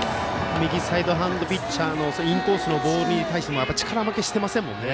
右サイドハンドピッチャーインコースのボールに対してもやっぱり力負けしてませんよね。